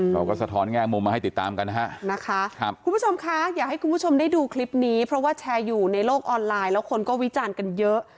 สะท้อนแง่มุมมาให้ติดตามกันนะฮะนะคะคุณผู้ชมคะอยากให้คุณผู้ชมได้ดูคลิปนี้เพราะว่าแชร์อยู่ในโลกออนไลน์แล้วคนก็วิจารณ์กันเยอะ